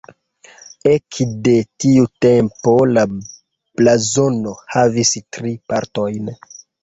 Ekde tiu tempo la blazono havis tri partojn.